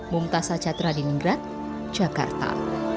mumtaz achad radiningrat jakarta